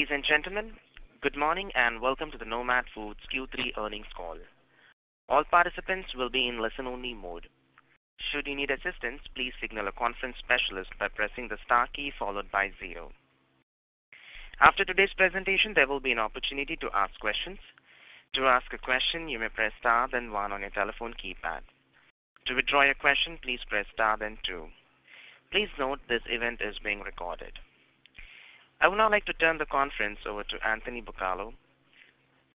Ladies and gentlemen, good morning and welcome to the Nomad Foods Q3 earnings call. All participants will be in listen-only mode. Should you need assistance, please signal a conference specialist by pressing the star key followed by zero. After today's presentation, there will be an opportunity to ask questions. To ask a question, you may press Star then one on your telephone keypad. To withdraw your question, please press Star then two. Please note this event is being recorded. I would now like to turn the conference over to Anthony Bucalo.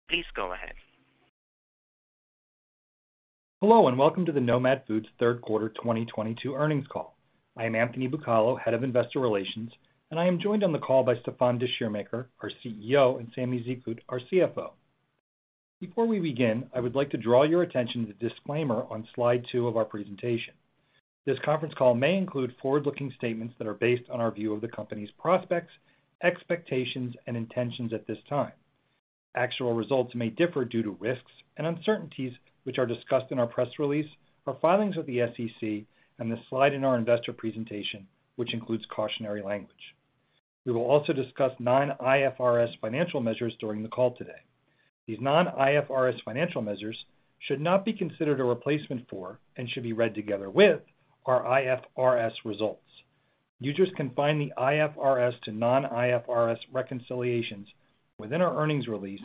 Please go ahead. Hello and welcome to the Nomad Foods third quarter 2022 earnings call. I am Anthony Bucalo, Head of Investor Relations, and I am joined on the call by Stéfan Descheemaeker, our CEO, and Samy Zekhout, our CFO. Before we begin, I would like to draw your attention to the disclaimer on slide two of our presentation. This conference call may include forward-looking statements that are based on our view of the company's prospects, expectations, and intentions at this time. Actual results may differ due to risks and uncertainties, which are discussed in our press release, our filings with the SEC, and the slide in our investor presentation, which includes cautionary language. We will also discuss non-IFRS financial measures during the call today. These non-IFRS financial measures should not be considered a replacement for and should be read together with our IFRS results. Users can find the IFRS to non-IFRS reconciliations within our earnings release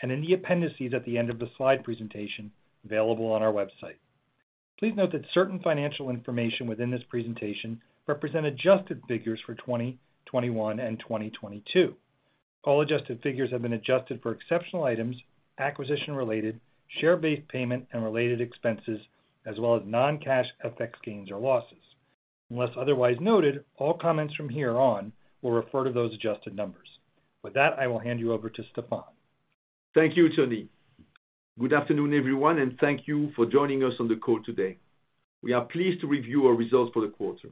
and in the appendices at the end of the slide presentation available on our website. Please note that certain financial information within this presentation represent adjusted figures for 2021 and 2022. All adjusted figures have been adjusted for exceptional items, acquisition-related, share-based payment and related expenses, as well as non-cash FX gains or losses. Unless otherwise noted, all comments from here on will refer to those adjusted numbers. With that, I will hand you over to Stéfan. Thank you, Tony. Good afternoon, everyone, and thank you for joining us on the call today. We are pleased to review our results for the quarter.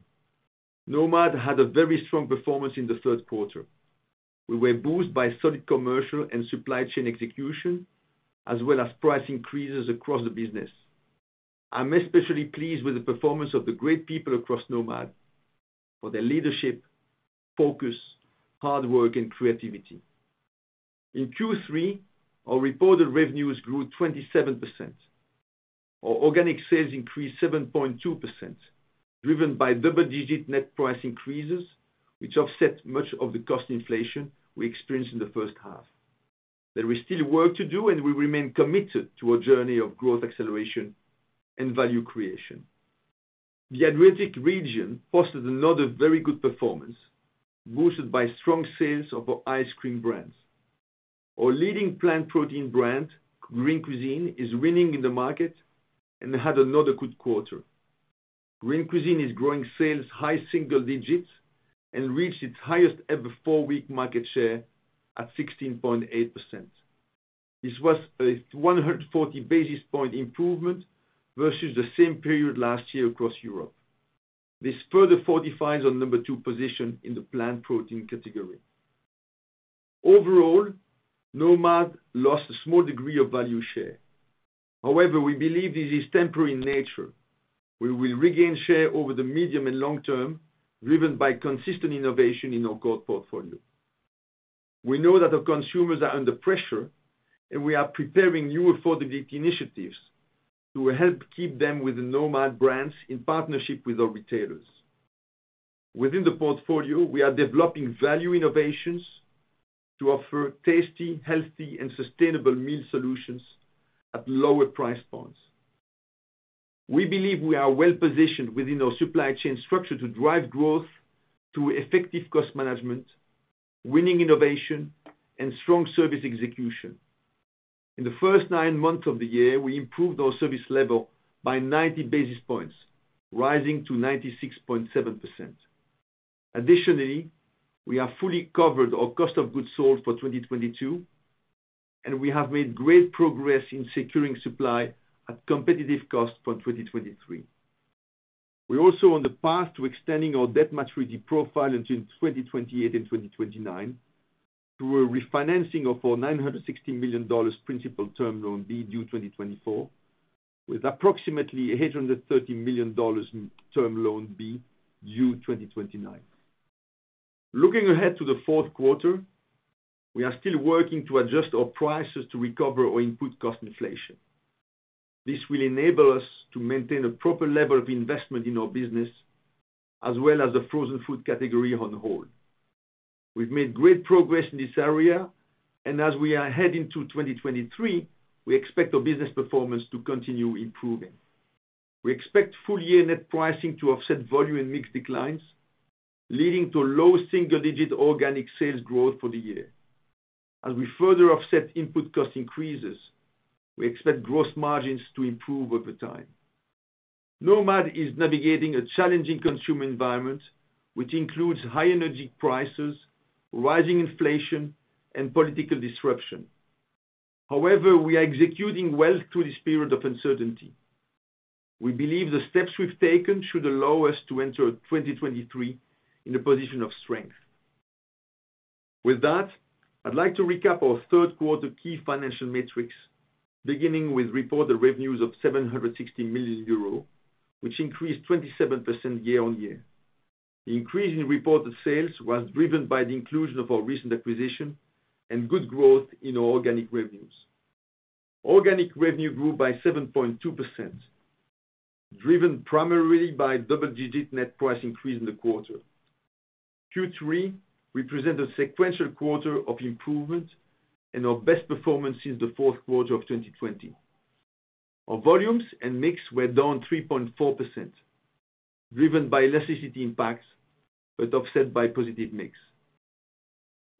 Nomad had a very strong performance in the third quarter. We were boosted by solid commercial and supply chain execution, as well as price increases across the business. I'm especially pleased with the performance of the great people across Nomad for their leadership, focus, hard work, and creativity. In Q3, our reported revenues grew 27%. Our organic sales increased 7.2%, driven by double-digit net price increases, which offset much of the cost inflation we experienced in the first half. There is still work to do, and we remain committed to a journey of growth acceleration and value creation. The Adriatic region posted another very good performance, boosted by strong sales of our ice cream brands. Our leading plant protein brand, Green Cuisine, is winning in the market and had another good quarter. Green Cuisine is growing sales high single digits and reached its highest ever four-week market share at 16.8%. This was a 140 basis points improvement versus the same period last year across Europe. This further fortifies our number two position in the plant protein category. Overall, Nomad lost a small degree of value share. However, we believe this is temporary in nature. We will regain share over the medium and long term, driven by consistent innovation in our core portfolio. We know that our consumers are under pressure, and we are preparing new affordability initiatives to help keep them with the Nomad brands in partnership with our retailers. Within the portfolio, we are developing value innovations to offer tasty, healthy, and sustainable meal solutions at lower price points. We believe we are well positioned within our supply chain structure to drive growth through effective cost management, winning innovation, and strong service execution. In the first nine months of the year, we improved our service level by 90 basis points, rising to 96.7%. Additionally, we have fully covered our cost of goods sold for 2022, and we have made great progress in securing supply at competitive cost for 2023. We're also on the path to extending our debt maturity profile until 2028 and 2029 through a refinancing of our $916 million principal Term Loan B, due 2024, with approximately $830 million Term Loan B, due 2029. Looking ahead to the fourth quarter, we are still working to adjust our prices to recover our input cost inflation. This will enable us to maintain a proper level of investment in our business as well as the frozen food category on the whole. We've made great progress in this area. As we are heading to 2023, we expect our business performance to continue improving. We expect full year net pricing to offset volume and mix declines, leading to low single-digit organic sales growth for the year. As we further offset input cost increases, we expect gross margins to improve over time. Nomad is navigating a challenging consumer environment, which includes high energy prices, rising inflation, and political disruption. However, we are executing well through this period of uncertainty. We believe the steps we've taken should allow us to enter 2023 in a position of strength. With that, I'd like to recap our third quarter key financial metrics. Beginning with reported revenues of 760 million euros, which increased 27% year-on-year. The increase in reported sales was driven by the inclusion of our recent acquisition and good growth in our organic revenues. Organic revenue grew by 7.2%, driven primarily by double-digit net price increase in the quarter. Q3 represent a sequential quarter of improvement and our best performance since the fourth quarter of 2020. Our volumes and mix were down 3.4%, driven by elasticity impacts, but offset by positive mix.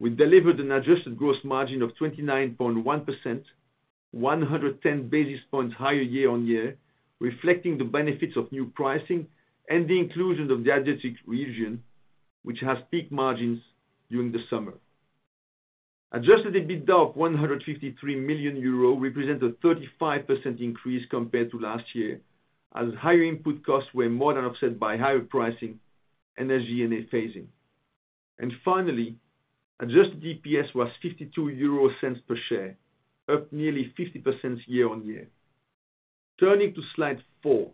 We delivered an adjusted gross margin of 29.1%, 110 basis points higher year-on-year, reflecting the benefits of new pricing and the inclusion of the Adriatic region, which has peak margins during the summer. Adjusted EBITDA of 153 million euros represents a 35% increase compared to last year, as higher input costs were more than offset by higher pricing and SG&A phasing. Finally, adjusted EPS was 0.52 per share, up nearly 50% year-over-year. Turning to slide four.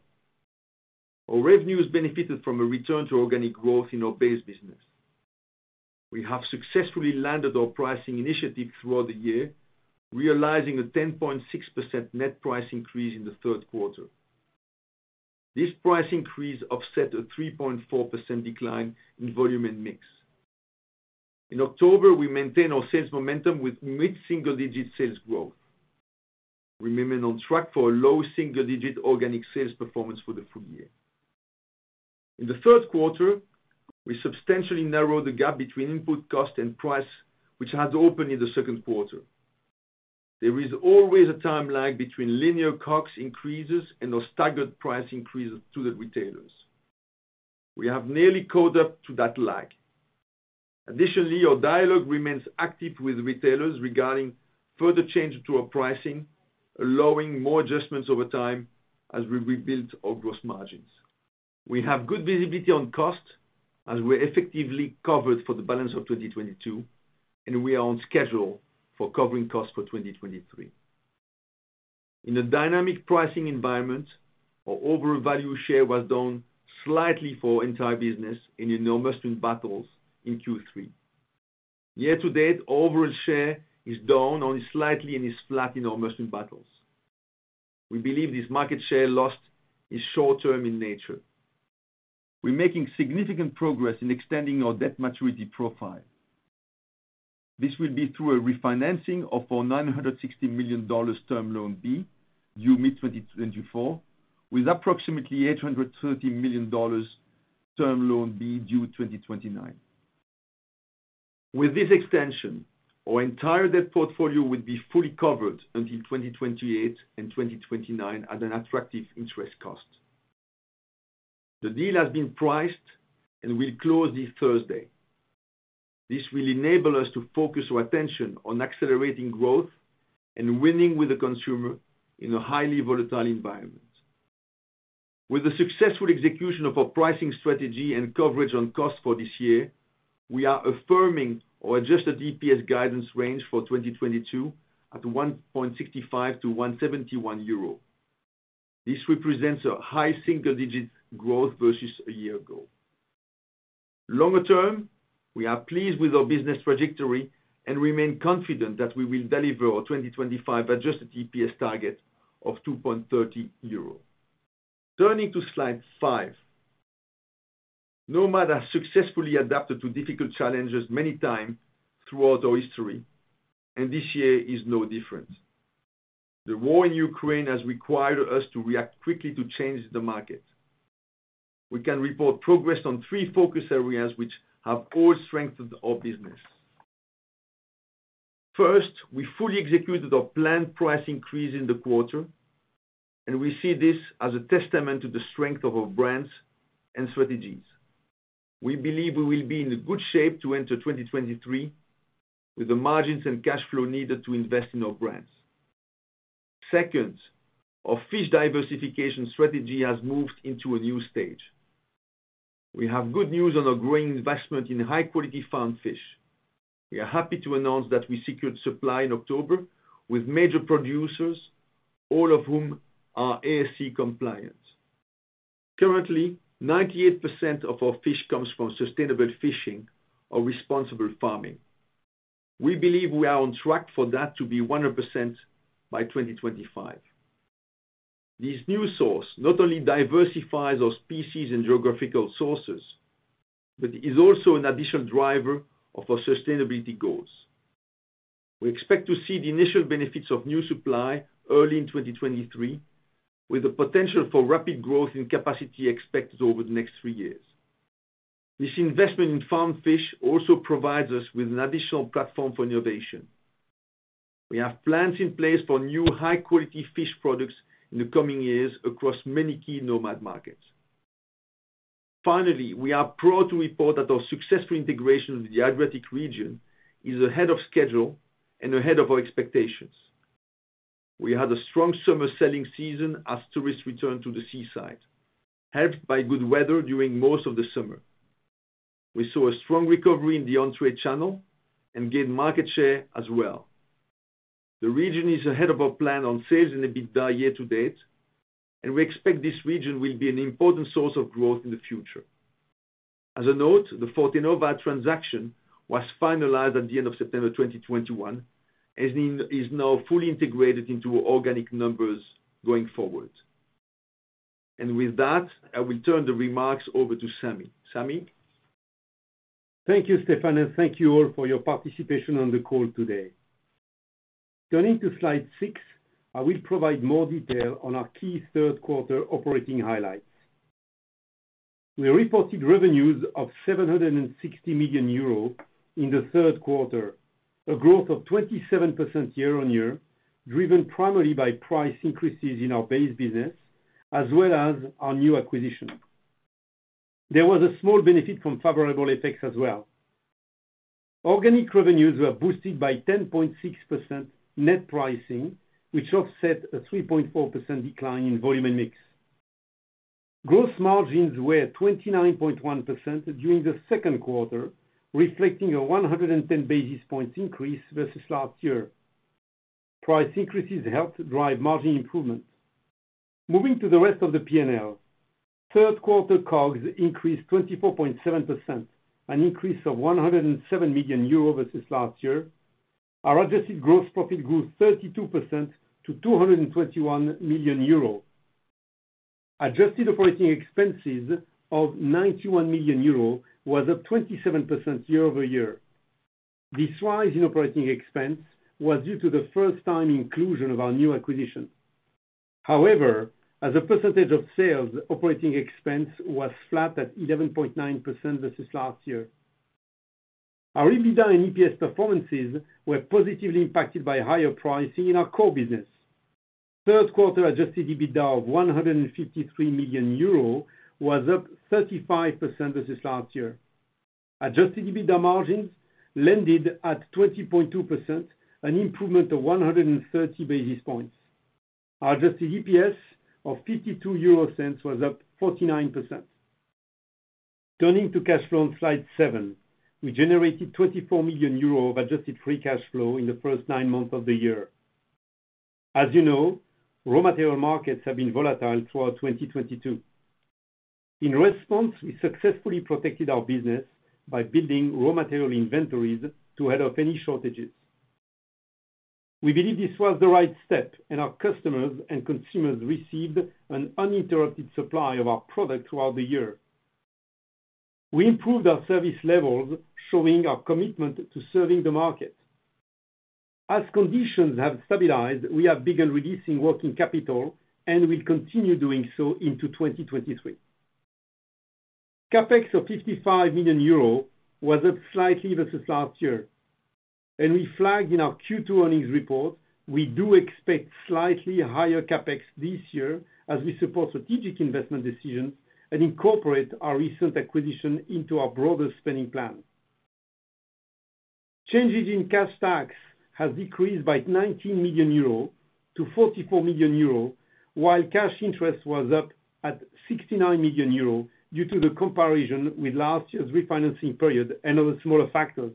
Our revenues benefited from a return to organic growth in our base business. We have successfully landed our pricing initiative throughout the year, realizing a 10.6% net price increase in the third quarter. This price increase offset a 3.4% decline in volume and mix. In October, we maintained our sales momentum with mid-single-digit sales growth. Remaining on track for a low single-digit organic sales performance for the full year. In the third quarter, we substantially narrowed the gap between input cost and price, which had opened in the second quarter. There is always a time lag between linear COGS increases and our staggered price increases to the retailers. We have nearly caught up to that lag. Additionally, our dialog remains active with retailers regarding further change to our pricing, allowing more adjustments over time as we rebuild our gross margins. We have good visibility on cost as we're effectively covered for the balance of 2022, and we are on schedule for covering costs for 2023. In a dynamic pricing environment, our overall value share was down slightly for our entire business and in our must-win battles in Q3. Year to date, overall share is down only slightly and is flat in our must-win battles. We believe this market share loss is short-term in nature. We're making significant progress in extending our debt maturity profile. This will be through a refinancing of our $916 million Term Loan B, due mid-2024, with approximately $830 million Term Loan B, due 2029. With this extension, our entire debt portfolio will be fully covered until 2028 and 2029 at an attractive interest cost. The deal has been priced and will close this Thursday. This will enable us to focus our attention on accelerating growth and winning with the consumer in a highly volatile environment. With the successful execution of our pricing strategy and coverage on cost for this year, we are affirming our adjusted EPS guidance range for 2022 at 1.65-1.71 euro. This represents a high single-digit growth versus a year ago. Longer term, we are pleased with our business trajectory and remain confident that we will deliver our 2025 adjusted EPS target of 2.30 euro. Turning to slide five. Nomad has successfully adapted to difficult challenges many times throughout our history, and this year is no different. The war in Ukraine has required us to react quickly to change the market. We can report progress on three focus areas which have all strengthened our business. First, we fully executed our planned price increase in the quarter, and we see this as a testament to the strength of our brands and strategies. We believe we will be in good shape to enter 2023 with the margins and cash flow needed to invest in our brands. Second, our fish diversification strategy has moved into a new stage. We have good news on our growing investment in high-quality farmed fish. We are happy to announce that we secured supply in October with major producers, all of whom are ASC compliant. Currently, 98% of our fish comes from sustainable fishing or responsible farming. We believe we are on track for that to be 100% by 2025. This new source not only diversifies our species and geographical sources, but is also an additional driver of our sustainability goals. We expect to see the initial benefits of new supply early in 2023, with the potential for rapid growth in capacity expected over the next three years. This investment in farmed fish also provides us with an additional platform for innovation. We have plans in place for new high-quality fish products in the coming years across many key Nomad markets. Finally, we are proud to report that our successful integration of the Adriatic region is ahead of schedule and ahead of our expectations. We had a strong summer selling season as tourists returned to the seaside, helped by good weather during most of the summer. We saw a strong recovery in the on-trade channel and gained market share as well. The region is ahead of our plan on sales and EBITDA year to date, and we expect this region will be an important source of growth in the future. As a note, the Fortenova transaction was finalized at the end of September 2021, and is now fully integrated into organic numbers going forward. With that, I will turn the remarks over to Samy. Samy? Thank you, Stéphan, and thank you all for your participation on the call today. Turning to slide six, I will provide more detail on our key third quarter operating highlights. We reported revenues of 760 million euros in the third quarter, a growth of 27% year-on-year, driven primarily by price increases in our base business, as well as our new acquisition. There was a small benefit from favorable effects as well. Organic revenues were boosted by 10.6% net pricing, which offset a 3.4% decline in volume and mix. Gross margins were at 29.1% during the second quarter, reflecting a 110 basis points increase versus last year. Price increases helped drive margin improvements. Moving to the rest of the P&L, third quarter COGS increased 24.7%, an increase of 107 million euro versus last year. Our adjusted gross profit grew 32% to 221 million euro. Adjusted operating expenses of 91 million euro was up 27% year-over-year. This rise in operating expense was due to the first time inclusion of our new acquisition. However, as a percentage of sales, operating expense was flat at 11.9% versus last year. Our EBITDA and EPS performances were positively impacted by higher pricing in our core business. Third quarter adjusted EBITDA of 153 million euro was up 35% versus last year. Adjusted EBITDA margins landed at 20.2%, an improvement of 130 basis points. Our adjusted EPS of 0.52 was up 49%. Turning to cash flow on slide seven, we generated 24 million euros of adjusted free cash flow in the first nine months of the year. As you know, raw material markets have been volatile throughout 2022. In response, we successfully protected our business by building raw material inventories to head off any shortages. We believe this was the right step, and our customers and consumers received an uninterrupted supply of our product throughout the year. We improved our service levels, showing our commitment to serving the market. As conditions have stabilized, we have begun reducing working capital and will continue doing so into 2023. CapEx of 55 million euro was up slightly versus last year. We flagged in our Q2 earnings report, we do expect slightly higher CapEx this year as we support strategic investment decisions and incorporate our recent acquisition into our broader spending plan. Changes in cash tax has decreased by 19 million euros to 44 million euros, while cash interest was up at 69 million euros due to the comparison with last year's refinancing period and other smaller factors.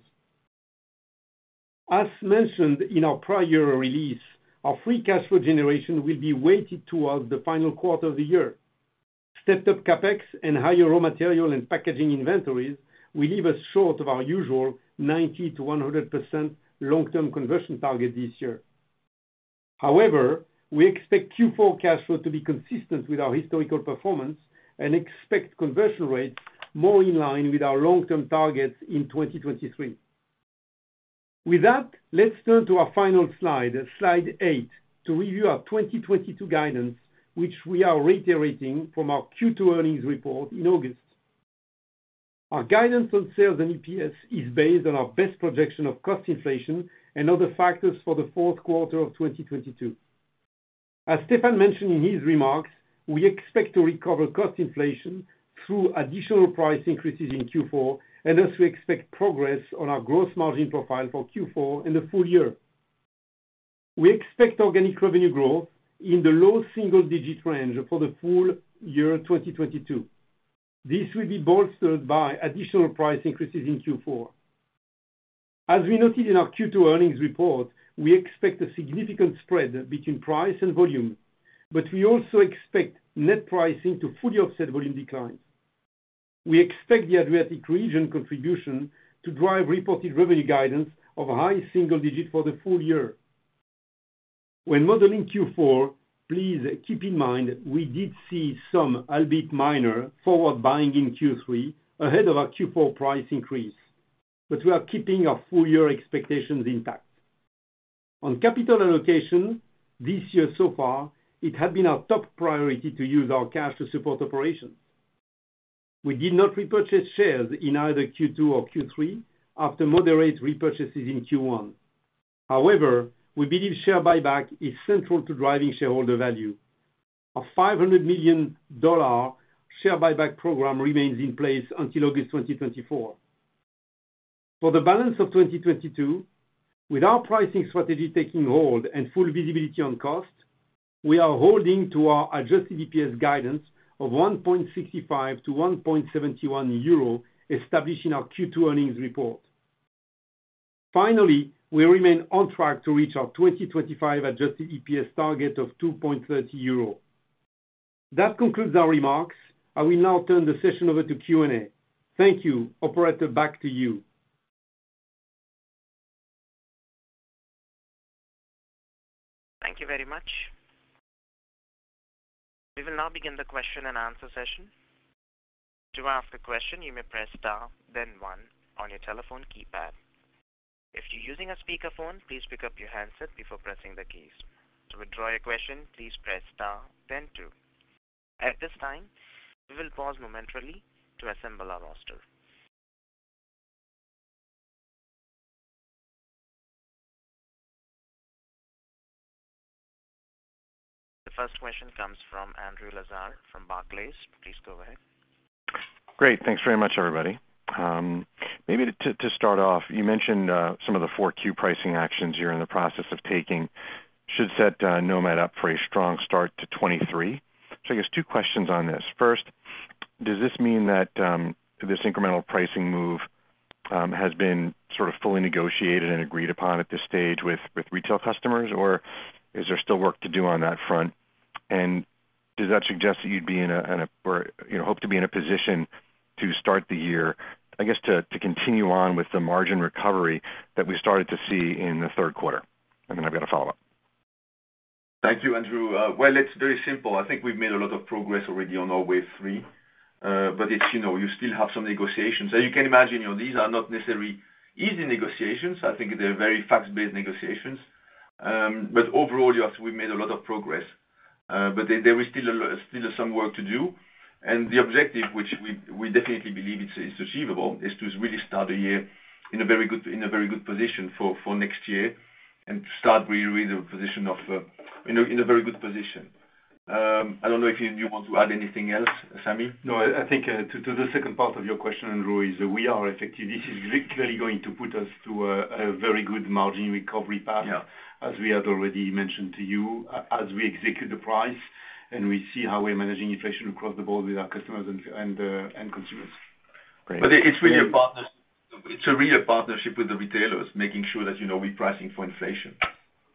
As mentioned in our prior release, our free cash flow generation will be weighted towards the final quarter of the year. Stepped up CapEx and higher raw material and packaging inventories will leave us short of our usual 90%-100% long-term conversion target this year. However, we expect Q4 cash flow to be consistent with our historical performance and expect conversion rates more in line with our long-term targets in 2023. With that, let's turn to our final slide eight, to review our 2022 guidance, which we are reiterating from our Q2 earnings report in August. Our guidance on sales and EPS is based on our best projection of cost inflation and other factors for the fourth quarter of 2022. As Stéfan mentioned in his remarks, we expect to recover cost inflation through additional price increases in Q4, and thus we expect progress on our gross margin profile for Q4 in the full year. We expect organic revenue growth in the low single-digit range for the full year 2022. This will be bolstered by additional price increases in Q4. As we noted in our Q2 earnings report, we expect a significant spread between price and volume, but we also expect net pricing to fully offset volume declines. We expect the Adriatic region contribution to drive reported revenue guidance of a high single-digit% for the full year. When modeling Q4, please keep in mind we did see some, albeit minor, forward buying in Q3 ahead of our Q4 price increase, but we are keeping our full year expectations intact. On capital allocation this year so far, it had been our top priority to use our cash to support operations. We did not repurchase shares in either Q2 or Q3 after moderate repurchases in Q1. However, we believe share buyback is central to driving shareholder value. Our $500 million share buyback program remains in place until August 2024. For the balance of 2022, with our pricing strategy taking hold and full visibility on cost, we are holding to our adjusted EPS guidance of 1.65-1.71 euro, establishing our Q2 earnings report. Finally, we remain on track to reach our 2025 adjusted EPS target of 2.30 euro. That concludes our remarks. I will now turn the session over to Q&A. Thank you. Operator, back to you. Thank you very much. We will now begin the question and answer session. To ask a question, you may press Star, then one on your telephone keypad. If you're using a speakerphone, please pick up your handset before pressing the keys. To withdraw your question, please press Star then two. At this time, we will pause momentarily to assemble our roster. The first question comes from Andrew Lazar from Barclays. Please go ahead. Great. Thanks very much, everybody. Maybe to start off, you mentioned some of the Q4 pricing actions you're in the process of taking should set Nomad up for a strong start to 2023. I guess two questions on this. First, does this mean that this incremental pricing move has been sort of fully negotiated and agreed upon at this stage with retail customers, or is there still work to do on that front? And does that suggest that you'd be in a position, you know, to start the year, I guess, to continue on with the margin recovery that we started to see in the third quarter? Then I've got a follow-up. Thank you, Andrew. Well, it's very simple. I think we've made a lot of progress already on our wave three. But it's, you know, you still have some negotiations. As you can imagine, you know, these are not necessarily easy negotiations. I think they're very facts-based negotiations. But overall, yes, we made a lot of progress. But there is still some work to do. The objective, which we definitely believe it's achievable, is to really start the year in a very good position for next year and start really in a very good position. I don't know if you want to add anything else, Samy. No, I think to the second part of your question, Andrew, is we are effective. This is clearly going to put us on a very good margin recovery path. Yeah, as we had already mentioned to you, as we execute the price and we see how we're managing inflation across the board with our customers and consumers. Great. It's a real partnership with the retailers, making sure that, you know, we're pricing for inflation.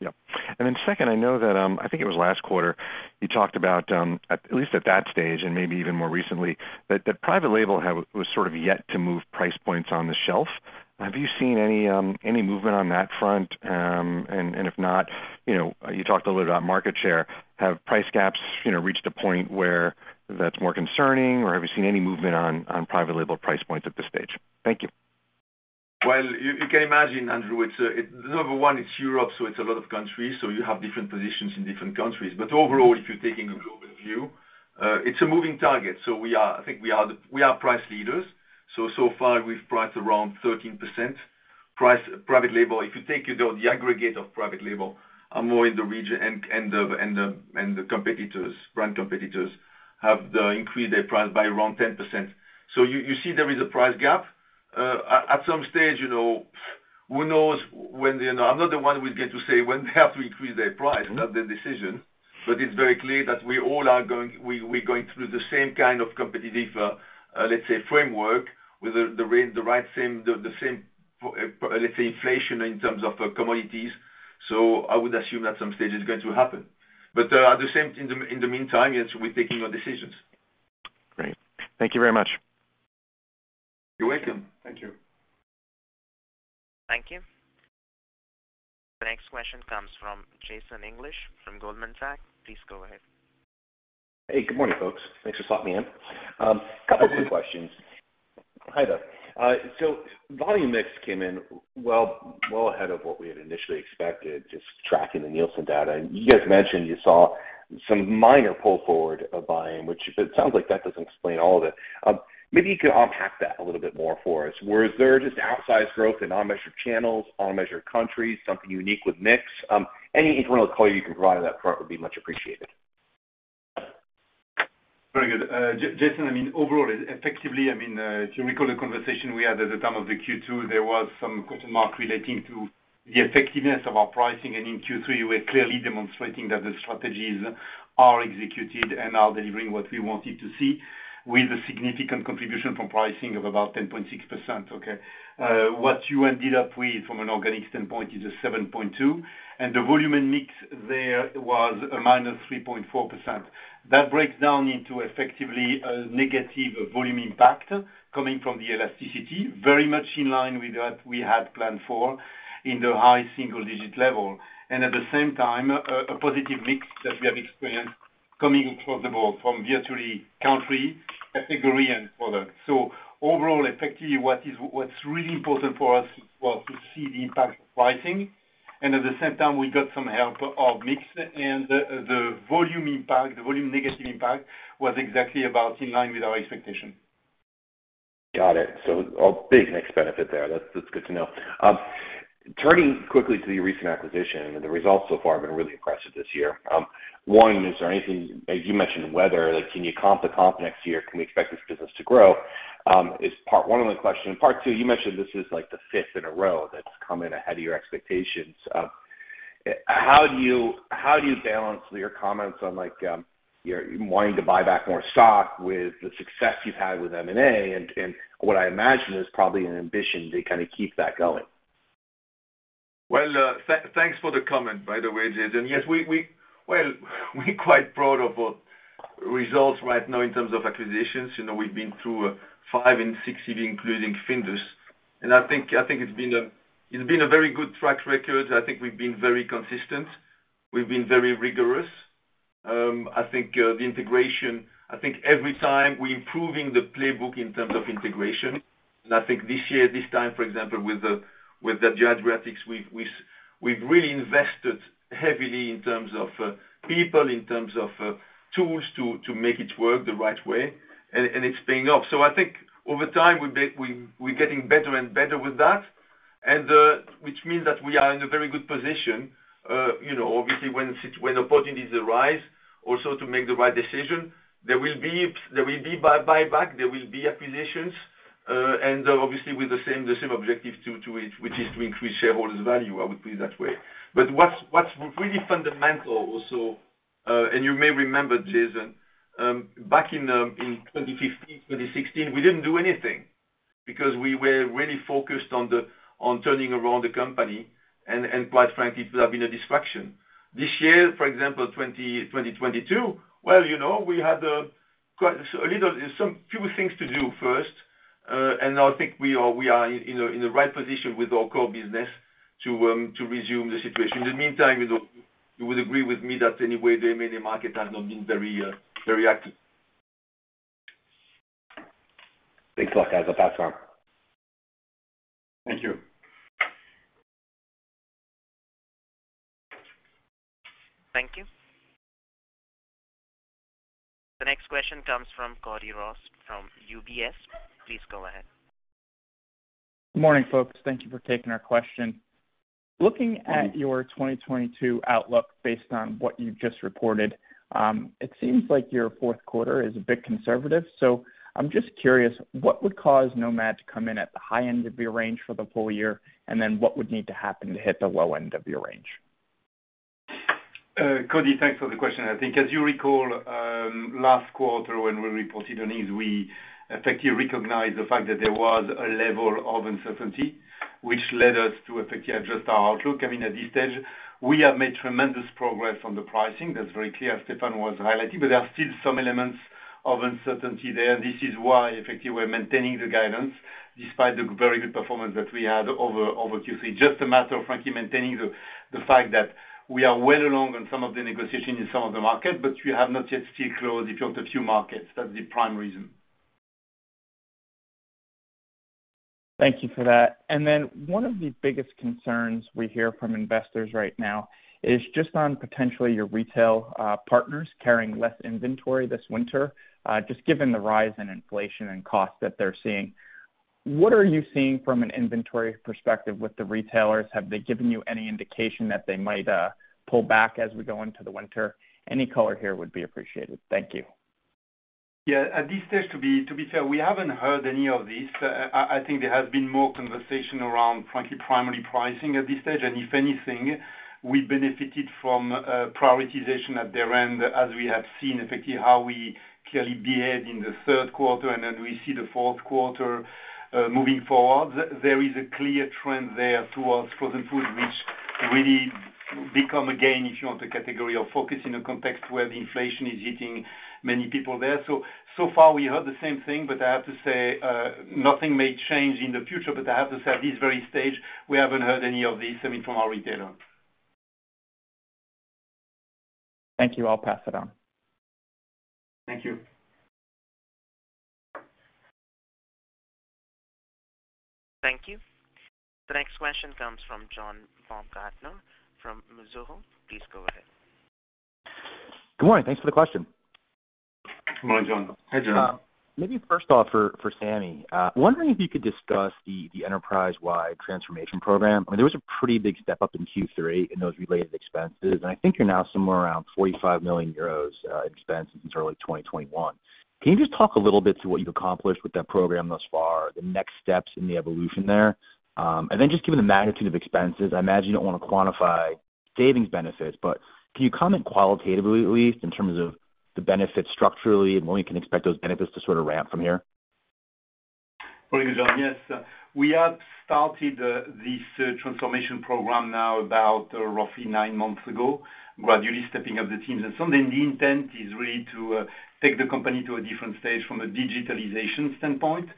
Yeah. Then second, I know that, I think it was last quarter you talked about, at least at that stage and maybe even more recently, that private label was sort of yet to move price points on the shelf. Have you seen any movement on that front? And if not, you know, you talked a little about market share. Have price gaps, you know, reached a point where that's more concerning, or have you seen any movement on private label price points at this stage? Thank you. Well, you can imagine, Andrew, it's number one, it's Europe, so it's a lot of countries, so you have different positions in different countries. Overall, if you're taking a global view, it's a moving target. I think we are price leaders. So far, we've priced around 13%. Private label, if you take, you know, the aggregate of private label, are more in the region, and the brand competitors have increased their price by around 10%. You see there is a price gap. At some stage, you know, who knows when, you know, I'm not the one who's going to say when they have to increase their price. Mm-hmm. That's their decision. It's very clear that we're going through the same kind of competitive, let's say, framework with the same, let's say, inflation in terms of commodities. I would assume at some stage it's going to happen. In the meantime, yes, we're taking our decisions. Great. Thank you very much. You're welcome. Thank you. Thank you. The next question comes from Jason English from Goldman Sachs. Please go ahead. Hey, good morning, folks. Thanks for popping me in. Couple quick questions. Hi. Hi there. So volume mix came in well ahead of what we had initially expected, just tracking the Nielsen data. You guys mentioned you saw some minor pull forward of buying, which it sounds like that doesn't explain all of it. Maybe you could unpack that a little bit more for us. Was there just outsized growth in all measured channels, all measured countries, something unique with mix? Any internal color you can provide on that front would be much appreciated. Very good. Jason, I mean, overall, effectively, I mean, if you recall the conversation we had at the time of the Q2, there was some question mark relating to the effectiveness of our pricing. In Q3, we're clearly demonstrating that the strategies are executed and are delivering what we wanted to see with a significant contribution from pricing of about 10.6%, okay. What you ended up with from an organic standpoint is a 7.2%, and the volume and mix there was a -3.4%. That breaks down into effectively a negative volume impact coming from the elasticity, very much in line with what we had planned for in the high single-digit level, and at the same time, a positive mix that we have experienced coming across the board from virtually country, category, and product. Overall, effectively, what's really important for us was to see the impact of pricing. At the same time, we got some help of mix and the volume impact, the volume negative impact was exactly about in line with our expectation. Got it. A big next benefit there. That's good to know. Turning quickly to your recent acquisition, the results so far have been really impressive this year. One, is there anything? As you mentioned, weather, like, can you comp to comp next year? Can we expect this business to grow? Is part one of my question. Part two, you mentioned this is, like, the fifth in a row that's come in ahead of your expectations. How do you balance your comments on, like, your wanting to buy back more stock with the success you've had with M&A and what I imagine is probably an ambition to kinda keep that going? Thanks for the comment, by the way, Jason. Yes, we're quite proud of our results right now in terms of acquisitions. You know, we've been through five and six, even including Findus. I think it's been a very good track record. I think we've been very consistent. We've been very rigorous. I think the integration every time we're improving the playbook in terms of integration. I think this year, this time, for example, with the Adriatics, we've really invested heavily in terms of people, in terms of tools to make it work the right way, and it's paying off. I think over time, we're getting better and better with that, and which means that we are in a very good position, you know, obviously when opportunities arise also to make the right decision. There will be buyback, there will be acquisitions, and obviously with the same objective to it, which is to increase shareholders' value, I would put it that way. What's really fundamental also, and you may remember, Jason, back in 2015, 2016, we didn't do anything because we were really focused on turning around the company, and quite frankly, it would have been a distraction. This year, for example, 2022, well, you know, we had quite a few things to do first, and now I think we are in the right position with our core business to resume the situation. In the meantime, you know, you would agree with me that anyway, the M&A market has not been very active. Thanks a lot, guys. I'll pass it on. Thank you. Thank you. The next question comes from Cody Ross from UBS. Please go ahead. Good morning, folks. Thank you for taking our question. Looking at your 2022 outlook based on what you've just reported, it seems like your fourth quarter is a bit conservative. I'm just curious, what would cause Nomad to come in at the high end of your range for the full year? And then what would need to happen to hit the low end of your range? Cody, thanks for the question. I think as you recall, last quarter when we reported on these, we effectively recognized the fact that there was a level of uncertainty which led us to effectively adjust our outlook. I mean, at this stage, we have made tremendous progress on the pricing. That's very clear, Stéphan was highlighting. There are still some elements of uncertainty there. This is why effectively we're maintaining the guidance despite the very good performance that we had over Q3. Just a matter of frankly maintaining the fact that we are well along on some of the negotiation in some of the market, but we have not yet still closed if you want a few markets. That's the prime reason. Thank you for that. One of the biggest concerns we hear from investors right now is just on potentially your retail partners carrying less inventory this winter, just given the rise in inflation and costs that they're seeing. What are you seeing from an inventory perspective with the retailers? Have they given you any indication that they might pull back as we go into the winter? Any color here would be appreciated. Thank you. Yeah. At this stage, to be fair, we haven't heard any of this. I think there has been more conversation around frankly primary pricing at this stage. If anything, we benefited from prioritization at their end as we have seen effectively how we clearly behaved in the third quarter and then we see the fourth quarter moving forward. There is a clear trend there towards frozen food, which really become again, if you want, a category of focus in a context where the inflation is hitting many people there. So far we heard the same thing, but I have to say, nothing may change in the future, but I have to say at this very stage, we haven't heard any of this, I mean, from our retailer. Thank you. I'll pass it on. Thank you. Thank you. The next question comes from John Baumgartner from Mizuho. Please go ahead. Good morning. Thanks for the question. Good morning, John. Hey, John. Maybe first off for Samy. Wondering if you could discuss the enterprise-wide transformation program. I mean, there was a pretty big step-up in Q3 in those related expenses, and I think you're now somewhere around 45 million euros in expense since early 2021. Can you just talk a little bit to what you've accomplished with that program thus far, the next steps in the evolution there? Just given the magnitude of expenses, I imagine you don't wanna quantify savings benefits, but can you comment qualitatively at least in terms of the benefits structurally and when we can expect those benefits to sort of ramp from here? Very good, John. Yes. We have started this transformation program now about roughly nine months ago, gradually stepping up the teams. The intent is really to take the company to a different stage from a digitalization standpoint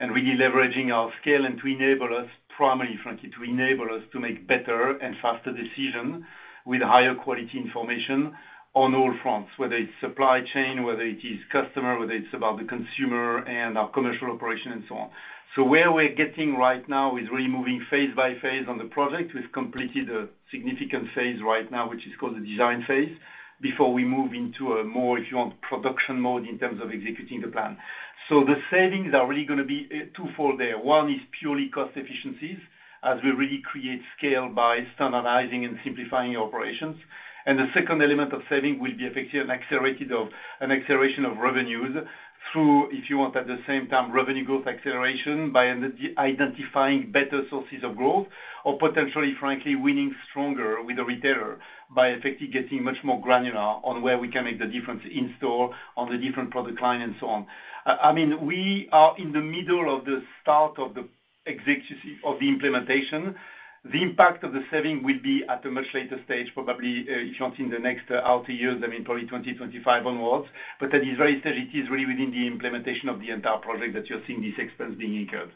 and really leveraging our scale and to enable us, primarily frankly, to enable us to make better and faster decision with higher quality information on all fronts, whether it's supply chain, whether it is customer, whether it's about the consumer and our commercial operation and so on. Where we're getting right now is really moving phase by phase on the project. We've completed a significant phase right now, which is called the design phase, before we move into a more, if you want, production mode in terms of executing the plan. The savings are really going to be twofold there. One is purely cost efficiencies as we really create scale by standardizing and simplifying operations. The second element of saving will be effective, an acceleration of revenues through, if you want, at the same time, revenue growth acceleration by identifying better sources of growth or potentially, frankly, winning stronger with the retailer by effectively getting much more granular on where we can make the difference in store on the different product line and so on. I mean, we are in the middle of the start of the execution of the implementation. The impact of the saving will be at a much later stage, probably, if you want, in the next out years, I mean, probably 2025 onwards. At this very stage, it is really within the implementation of the entire project that you're seeing this expense being incurred.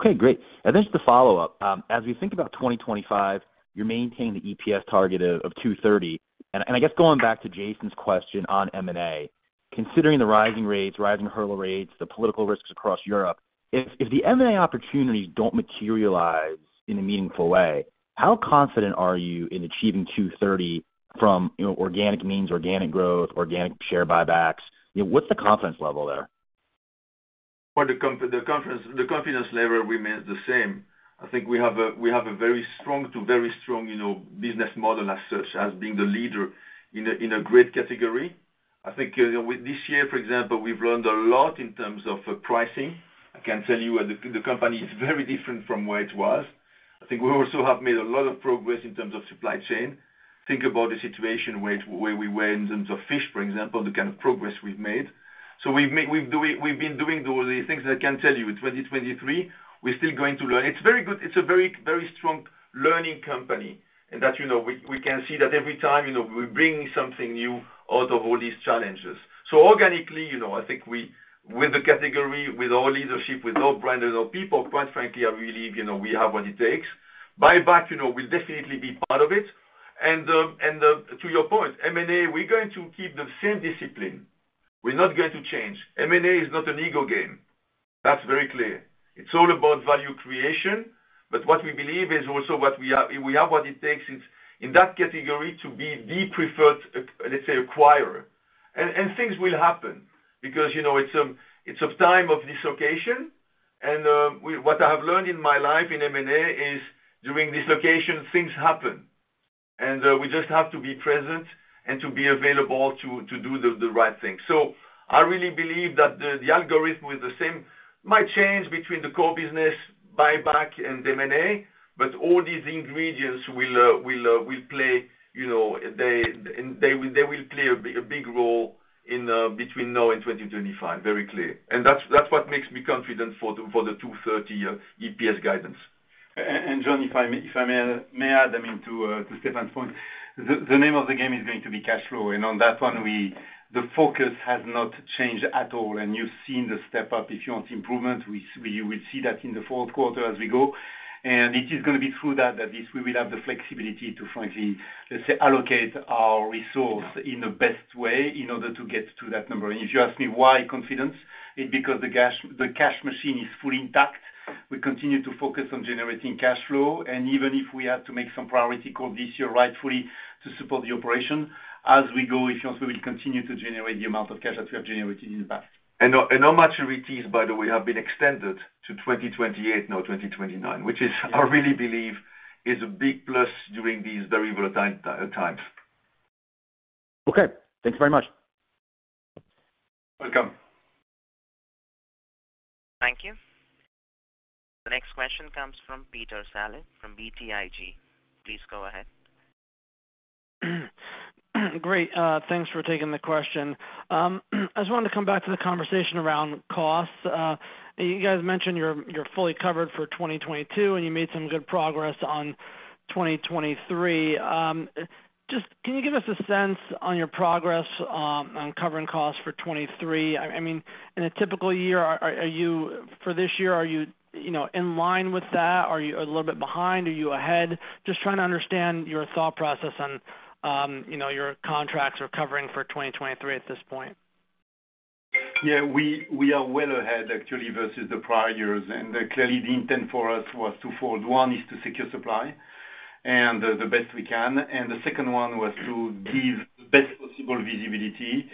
Okay, great. Just a follow-up. As we think about 2025, you're maintaining the EPS target of 2.30. I guess going back to Jason's question on M&A, considering the rising rates, rising hurdle rates, the political risks across Europe, if the M&A opportunities don't materialize in a meaningful way, how confident are you in achieving 2.30 from, you know, organic means, organic growth, organic share buybacks? You know, what's the confidence level there? For the confidence level remains the same. I think we have a very strong, you know, business model as such as being the leader in a great category. I think with this year, for example, we've learned a lot in terms of pricing. I can tell you the company is very different from where it was. I think we also have made a lot of progress in terms of supply chain. Think about the situation where we were in terms of fish, for example, the kind of progress we've made. We've been doing those things. I can tell you, in 2023, we're still going to learn. It's very good. It's a very strong learning company, and that, you know, we can see that every time, you know, we bring something new out of all these challenges. Organically, you know, I think we win the category with our leadership, with our brand and our people, quite frankly, I really believe, you know, we have what it takes. Buyback, you know, will definitely be part of it. And to your point, M&A, we're going to keep the same discipline. We're not going to change. M&A is not an ego game. That's very clear. It's all about value creation. What we believe is also what we have, we have what it takes in that category to be the preferred, let's say acquirer. And things will happen because, you know, it's a time of dislocation. What I have learned in my life in M&A is during dislocation, things happen, and we just have to be present and to be available to do the right thing. I really believe that the algorithm is the same. It might change between the core business, buyback and M&A, but all these ingredients will play, you know, they will play a big role between now and 2025. Very clear. That's what makes me confident for the 2.30 EPS guidance. And John, if I may add, I mean, to Stéfan's point, the name of the game is going to be cash flow. On that one, the focus has not changed at all. You've seen the step up. If you want improvement, you will see that in the fourth quarter as we go. It is gonna be through that, we will have the flexibility to frankly, let's say, allocate our resource in the best way in order to get to that number. If you ask me why confidence, it's because the cash machine is fully intact. We continue to focus on generating cash flow. Even if we have to make some priority calls this year rightfully to support the operation, as we go, if you want, we will continue to generate the amount of cash that we have generated in the past. No maturities, by the way, have been extended to 2029, which I really believe is a big plus during these very volatile times. Okay, thanks very much. Welcome. Thank you. The next question comes from Peter Saleh from BTIG. Please go ahead. Great. Thanks for taking the question. I just wanted to come back to the conversation around costs. You guys mentioned you're fully covered for 2022, and you made some good progress on 2023. Just can you give us a sense on your progress on covering costs for 2023? I mean, in a typical year, are you for this year, you know, in line with that? Are you a little bit behind? Are you ahead? Just trying to understand your thought process on, you know, your contracts are covering for 2023 at this point. Yeah. We are well ahead actually versus the prior years. Clearly the intent for us was twofold. One is to secure supply and the best we can. The second one was to give the best possible visibility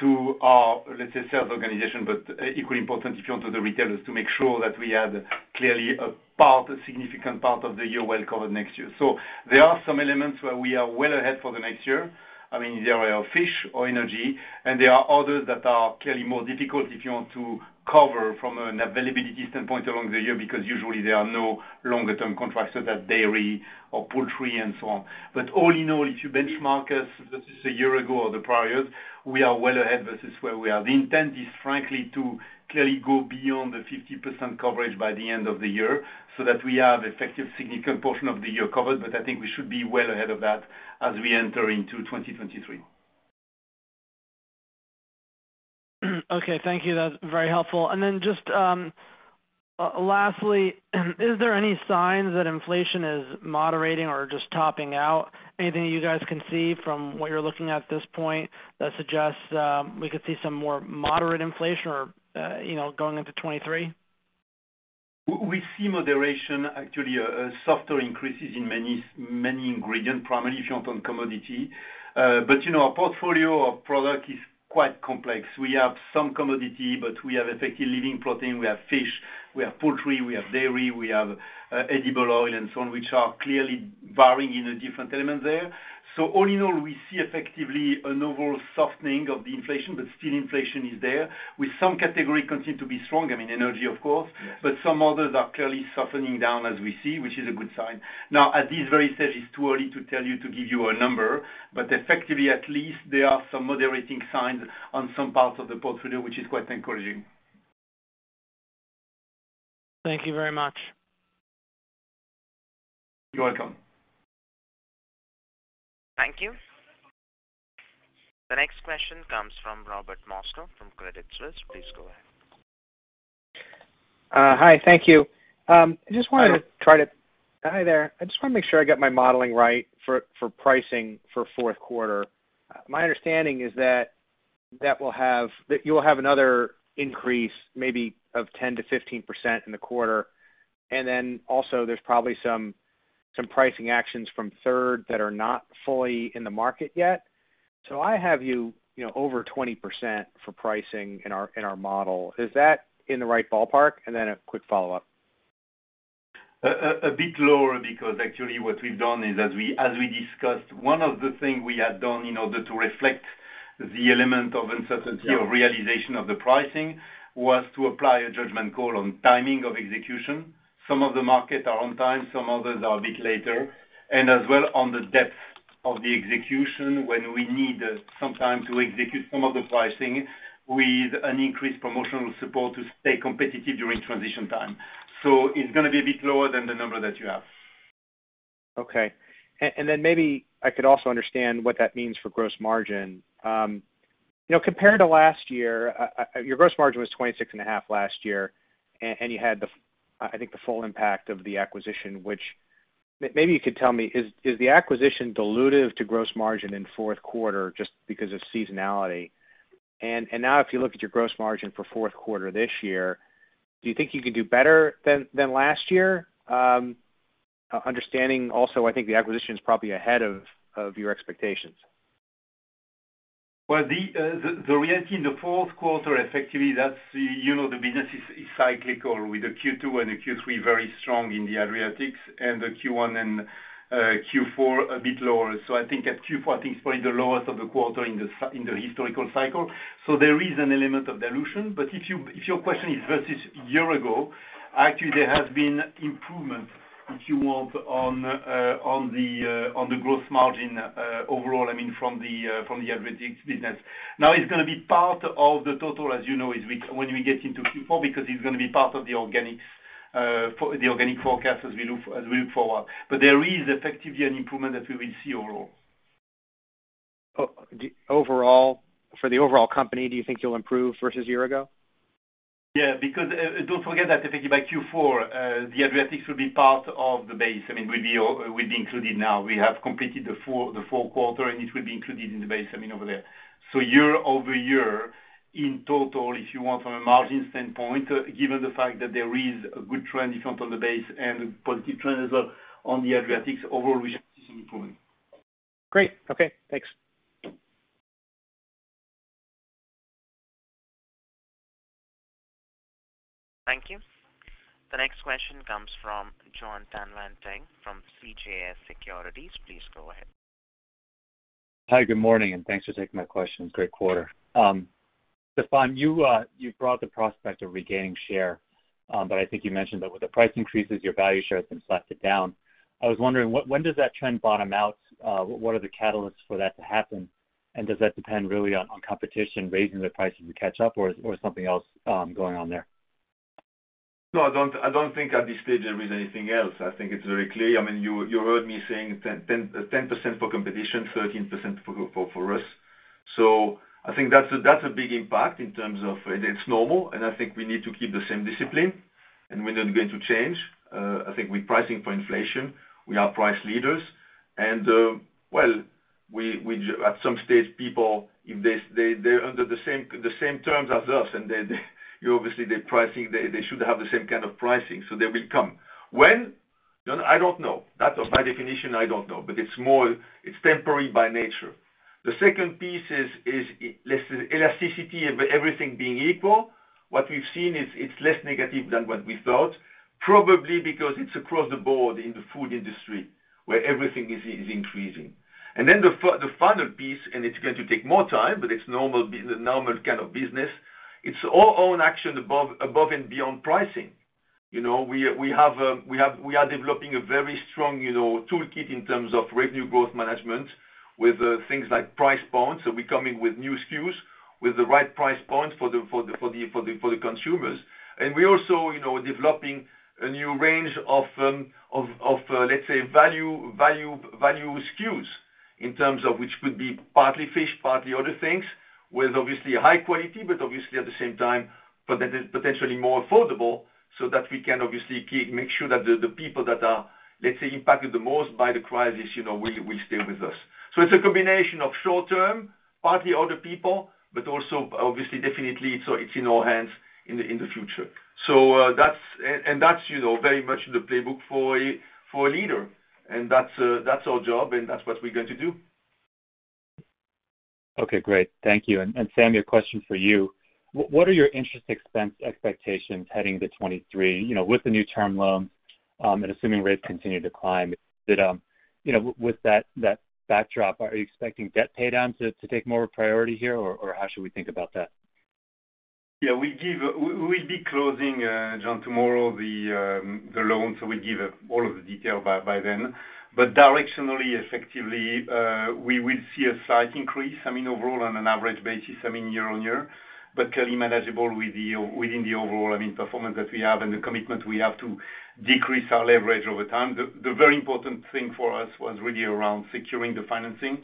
to our, let's say, sales organization, but equally important, if you want, to the retailers to make sure that we had clearly a part, a significant part of the year well covered next year. There are some elements where we are well ahead for the next year. I mean, they are fish or energy, and there are others that are clearly more difficult if you want to cover from an availability standpoint along the year, because usually there are no longer term contracts, so that's dairy or poultry and so on. All in all, if you benchmark us versus a year ago or the prior years, we are well ahead versus where we were. The intent is frankly to clearly go beyond the 50% coverage by the end of the year so that we have effectively significant portion of the year covered. I think we should be well ahead of that as we enter into 2023. Okay. Thank you. That's very helpful. Just lastly, is there any signs that inflation is moderating or just topping out? Anything you guys can see from what you're looking at this point that suggests we could see some more moderate inflation or, you know, going into 2023? We see moderation actually, softer increases in many ingredient, primarily if you want on commodity. You know, our portfolio of product is quite complex. We have some commodity, but we have effective living protein, we have fish, we have poultry, we have dairy, we have edible oil and so on, which are clearly varying in the different elements there. All in all, we see effectively an overall softening of the inflation, but still inflation is there, with some category continue to be strong. I mean, energy of course, but some others are clearly softening down as we see, which is a good sign. Now, at this very stage, it's too early to tell you, to give you a number, but effectively, at least there are some moderating signs on some parts of the portfolio, which is quite encouraging. Thank you very much. You're welcome. Thank you. The next question comes from Robert Moskow from Credit Suisse. Please go ahead. Hi. Thank you. Hi. Hi there. I just wanna make sure I got my modeling right for pricing for fourth quarter. My understanding is that you'll have another increase, maybe of 10%-15% in the quarter. Also there's probably some pricing actions from third that are not fully in the market yet. So I have you know, over 20% for pricing in our model. Is that in the right ballpark? A quick follow-up. A bit lower, because actually what we've done is, as we discussed, one of the things we had done in order to reflect the element of uncertainty or realization of the pricing, was to apply a judgment call on timing of execution. Some of the markets are on time, some others are a bit later. As well on the depth of the execution, when we need sometimes to execute some of the pricing with an increased promotional support to stay competitive during transition time. It's gonna be a bit lower than the number that you have. Then maybe I could also understand what that means for gross margin. You know, compared to last year, your gross margin was 26.5% last year, and you had the, I think the full impact of the acquisition, which maybe you could tell me, is the acquisition dilutive to gross margin in fourth quarter just because of seasonality? Now if you look at your gross margin for fourth quarter this year, do you think you could do better than last year? Understanding also, I think the acquisition is probably ahead of your expectations. Well, the reality in the fourth quarter, effectively, that's, you know, the business is cyclical with the Q2 and the Q3 very strong in the Adriatics, and the Q1 and Q4 a bit lower. I think at Q4, it's probably the lowest of the quarter in the historical cycle. There is an element of dilution. But if your question is versus year ago, actually there has been improvement, if you want, on the gross margin overall, I mean, from the Adriatics business. Now it's gonna be part of the total, as you know, when we get into Q4, because it's gonna be part of the organic forecast as we look forward. There is effectively an improvement that we will see overall. For the overall company, do you think you'll improve versus year ago? Yeah, because don't forget that effectively by Q4, the Adriatics will be part of the base. I mean, we'll be included now. We have completed the fourth quarter, and it will be included in the base, I mean, over there. Year-over-year, in total, if you want from a margin standpoint, given the fact that there is a good trend if you want on the base and positive trend as well on the Adriatics overall is improving. Great. Okay, thanks. Thank you. The next question comes from Jon Tanwanteng from CJS Securities. Please go ahead. Hi, good morning, and thanks for taking my questions. Great quarter. Stéfan, you brought the prospect of regaining share, but I think you mentioned that with the price increases, your value share has been slightly down. I was wondering, when does that trend bottom out? What are the catalysts for that to happen? Does that depend really on competition raising their prices to catch up or something else going on there? No, I don't think at this stage there is anything else. I think it's very clear. I mean, you heard me saying 10% for competition, 13% for us. I think that's a big impact in terms of it's normal, and I think we need to keep the same discipline, and we're not going to change. I think with pricing for inflation, we are price leaders. Well, we at some stage people if they they're under the same terms as us and then they too obviously the pricing they should have the same kind of pricing, so they will come. When? I don't know. That's by definition, I don't know. But it's temporary by nature. The second piece is let's say elasticity of everything being equal. What we've seen is it's less negative than what we thought, probably because it's across the board in the food industry where everything is increasing. The final piece, and it's going to take more time, but it's normal kind of business. It's all own action above and beyond pricing. You know, we are developing a very strong, you know, toolkit in terms of revenue growth management with things like price points. We come in with new SKUs, with the right price points for the consumers. We're also, you know, developing a new range of, let's say, value SKUs in terms of which could be partly fish, partly other things with obviously high quality, but obviously at the same time, potentially more affordable so that we can obviously keep make sure that the people that are, let's say, impacted the most by the crisis, you know, will stay with us. It's a combination of short term, partly other people, but also obviously, definitely, it's in our hands in the future. That's very much the playbook for a leader. That's our job, and that's what we're going to do. Okay, great. Thank you. Samy, a question for you. What are your interest expense expectations heading to 2023, you know, with the new term loan, and assuming rates continue to climb? With that backdrop, are you expecting debt pay down to take more of a priority here, or how should we think about that? Yeah. We'll be closing, John, tomorrow, the loan, so we'll give all of the detail by then. Directionally, effectively, we will see a slight increase, I mean, overall on an average basis, I mean, year-over-year, but clearly manageable within the overall, I mean, performance that we have and the commitment we have to decrease our leverage over time. The very important thing for us was really around securing the financing.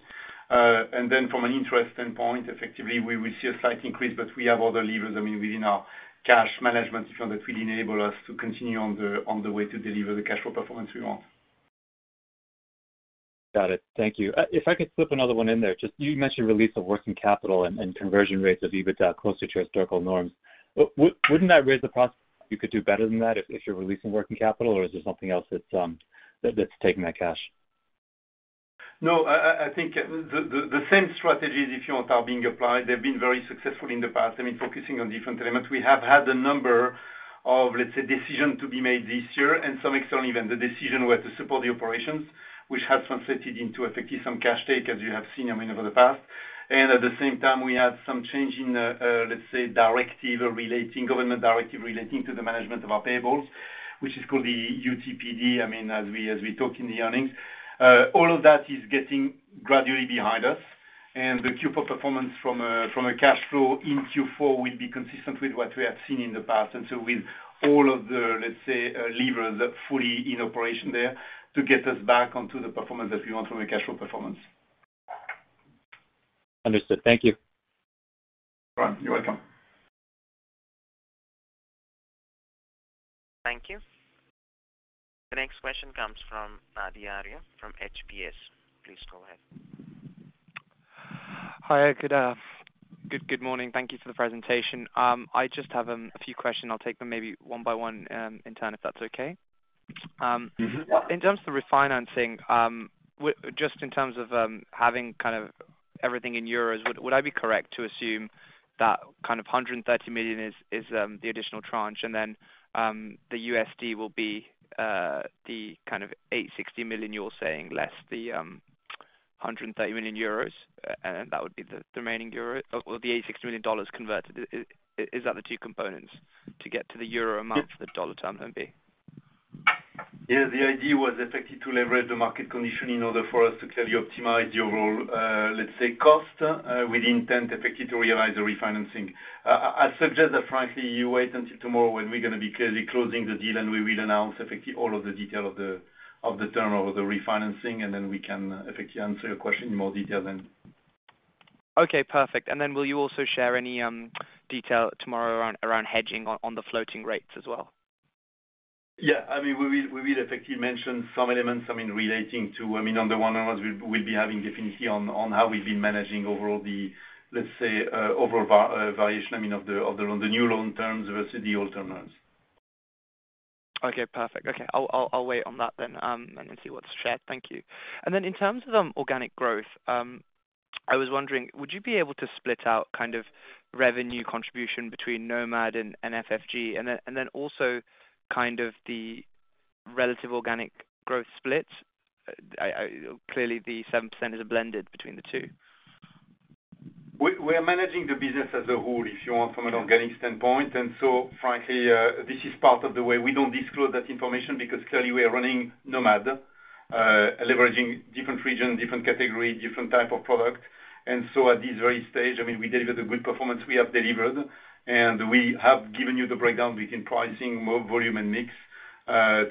Then from an interest standpoint, effectively, we will see a slight increase, but we have other levers, I mean, within our cash management if that will enable us to continue on the way to deliver the cash flow performance we want. Got it. Thank you. If I could slip another one in there. You just mentioned release of working capital and conversion rates of EBITDA closer to historical norms. Wouldn't that raise the prospect you could do better than that if you're releasing working capital, or is there something else that's taking that cash? No, I think the same strategies, if you want, are being applied. They've been very successful in the past, I mean, focusing on different elements. We have had a number of, let's say, decisions to be made this year and some external events, the decisions where to support the operations, which has translated into effectively some cash outflow, as you have seen, I mean, over the past. At the same time we had some change in, let's say, government directive relating to the management of our payables, which is called the UTPD, I mean, as we talked in the earnings. All of that is getting gradually behind us, and the Q4 performance from a cash flow in Q4 will be consistent with what we have seen in the past. With all of the, let's say, levers fully in operation there to get us back onto the performance that we want from a cash flow performance. Understood. Thank you. You're welcome. Thank you. The next question comes from Adi Arya from HPS. Please go ahead. Hi. Good morning. Thank you for the presentation. I just have a few questions. I'll take them maybe one by one in turn, if that's okay. Mm-hmm. In terms of refinancing, just in terms of having kind of everything in euros, would I be correct to assume that kind of 130 million is the additional tranche and then the USD will be the kind of $860 million, you're saying, less the 130 million euros, and that would be the remaining euro or the $860 million converted. Is that the two components to get to the euro amount for the dollar Term Loan B? Yeah. The idea was effectively to leverage the market condition in order for us to clearly optimize the overall, let's say, cost, with intent effectively to realize the refinancing. I suggest that frankly, you wait until tomorrow when we're gonna be clearly closing the deal and we will announce effectively all of the detail of the term of the refinancing, and then we can effectively answer your question in more detail then. Okay, perfect. Will you also share any detail tomorrow around hedging on the floating rates as well? Yeah. I mean, we will effectively mention some elements, I mean, relating to, I mean, on the one hand, we'll be having definitely on how we've been managing overall the, let's say, overall variation, I mean, of the loan, the new loan terms versus the old terms. Okay, perfect. Okay. I'll wait on that then, and see what's shared. Thank you. In terms of organic growth, I was wondering, would you be able to split out kind of revenue contribution between Nomad and FFBG? Also kind of the relative organic growth split. Clearly the 7% is a blended between the two. We are managing the business as a whole, if you want, from an organic standpoint. Frankly, this is part of the way we don't disclose that information because clearly we are running Nomad, leveraging different region, different category, different type of product. At this very stage, I mean, we delivered the good performance we have delivered, and we have given you the breakdown between pricing, more volume and mix,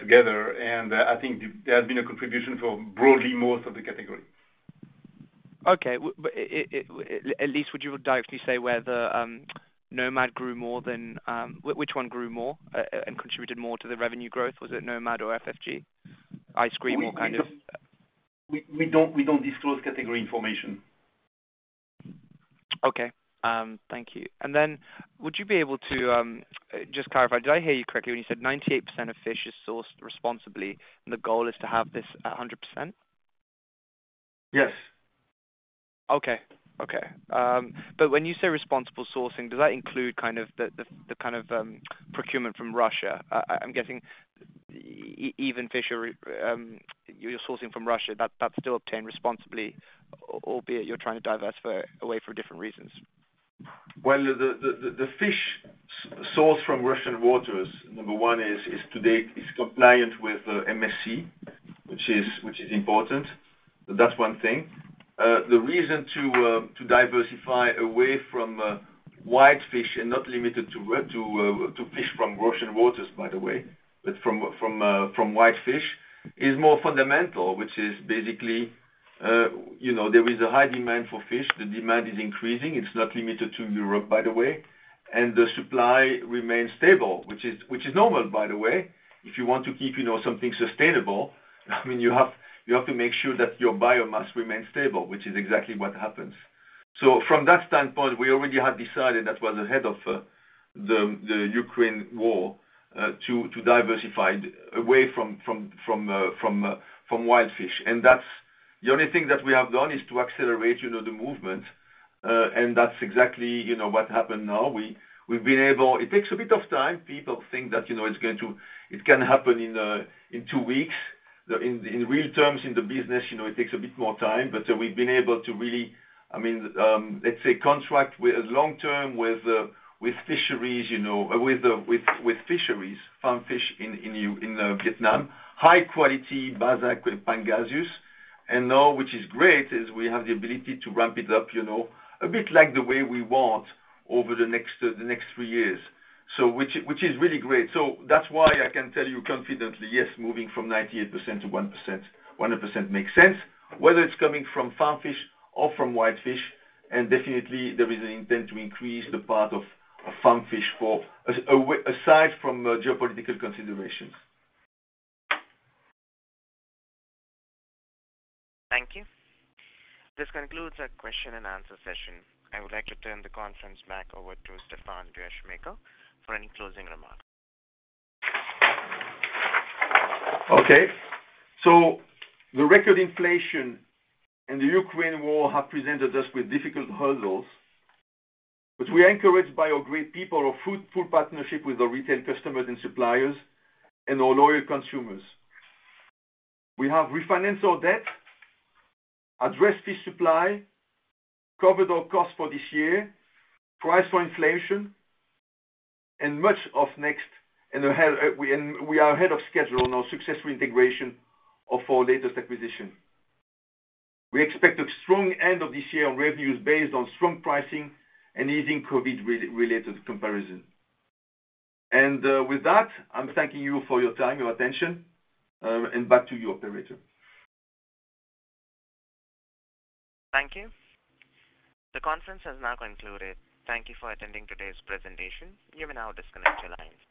together. I think there has been a contribution from broadly most of the category. Okay. At least, would you directly say whether Nomad grew more than. Which one grew more, and contributed more to the revenue growth? Was it Nomad or FFBG? Ice cream or kind of. We don't disclose category information. Okay. Thank you. Would you be able to just clarify, did I hear you correctly when you said 98% of fish is sourced responsibly and the goal is to have this at 100%? Yes. Okay. When you say responsible sourcing, does that include kind of the kind of procurement from Russia? I'm guessing even fishery, you're sourcing from Russia, that's still obtained responsibly, albeit you're trying to divest away for different reasons. Well, the fish sourced from Russian waters, number one is to date compliant with the MSC, which is important. That's one thing. The reason to diversify away from white fish and not limited to fish from Russian waters, by the way, but from white fish is more fundamental, which is basically, you know, there is a high demand for fish. The demand is increasing. It's not limited to Europe, by the way. The supply remains stable, which is normal, by the way. If you want to keep, you know, something sustainable, I mean, you have to make sure that your biomass remains stable, which is exactly what happens. From that standpoint, we already had decided that was ahead of the Ukraine war to diversify away from wild fish. That's the only thing that we have done is to accelerate, you know, the movement. That's exactly, you know, what happened now. We've been able. It takes a bit of time. People think that, you know, it's going to it can happen in two weeks. In real terms in the business, you know, it takes a bit more time. We've been able to really, I mean, let's say contract long-term with fisheries, you know, with fisheries, farm fish in Vietnam, high quality Basa Pangasius. Now, which is great, is we have the ability to ramp it up, you know, a bit like the way we want over the next three years. Which is really great. That's why I can tell you confidently, yes, moving from 98% to 1%, 100% makes sense, whether it's coming from farm fish or from wild fish. Definitely there is an intent to increase the part of farm fish for aside from geopolitical considerations. Thank you. This concludes our question and answer session. I would like to turn the conference back over to Stéfan Descheemaeker for any closing remarks. Okay. The record inflation and the Ukraine war have presented us with difficult hurdles, but we are encouraged by our great people, our fruitful partnership with our retail customers and suppliers, and our loyal consumers. We have refinanced our debt, addressed fish supply, covered our costs for this year, priced for inflation, and much of next, and ahead. We are ahead of schedule on our successful integration of our latest acquisition. We expect a strong end of this year revenues based on strong pricing and easing COVID-related comparisons. With that, I'm thanking you for your time, your attention, and back to you, operator. Thank you. The conference has now concluded. Thank you for attending today's presentation. You may now disconnect your lines.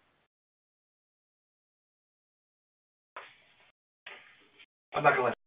Have a good one.